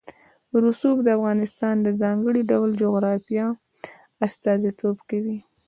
رسوب د افغانستان د ځانګړي ډول جغرافیه استازیتوب کوي.